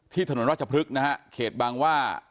ที่ถนนราชพฤษนะครับเขตบางว่า